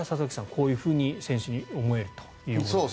こういうふうに選手に思えるということですね。